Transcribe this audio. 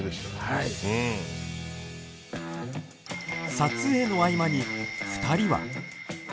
撮影の合間に２人は。